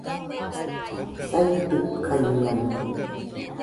saitɨkaɨñaɨ